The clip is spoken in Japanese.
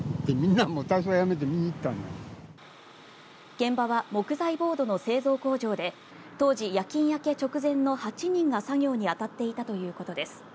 現場は木材ボードの製造工場で、当時、夜勤明け直前の８人が作業に当たっていたということです。